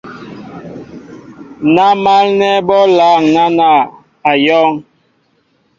Ná málnɛ́ bɔ́ lâŋ náná , á yɔ̄ŋ.